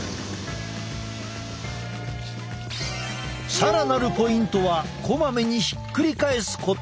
更なるポイントはこまめにひっくり返すこと。